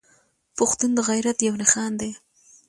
پښتون د غيرت يو نښان دی.